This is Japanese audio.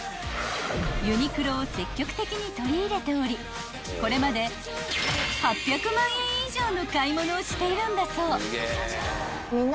［ユニクロを積極的に取り入れておりこれまで８００万円以上の買い物をしているんだそう］